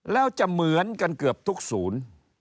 แล้วจะเหมือนกันเกือบทุกศูนย์